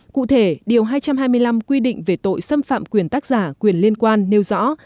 cụ thể điều hai trăm hai mươi năm quy định về tội xâm phạm quyền tác giả quyền liên quan nêu rõ